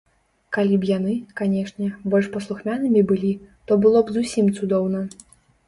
Калі б яны, канешне, больш паслухмянымі былі, то было б зусім цудоўна.